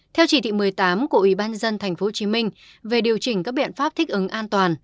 theo chỉ thị một mươi tám của ủy ban nhân dân tp hcm về điều chỉnh các biện pháp thích ứng an toàn